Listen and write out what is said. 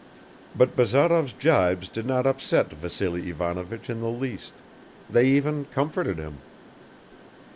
But Bazarov's gibes did not upset Vassily Ivanovich in the least; they even comforted him.